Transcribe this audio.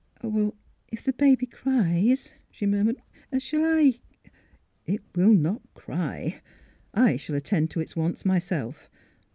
" If — the baby cries," she murmured, " shall I ?"'' It will not cry. I shall attend to its wants myself.